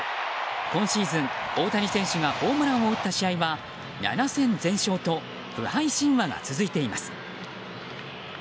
今シーズン、大谷選手がホームランを打った試合は７戦全勝と不敗神話が続いています。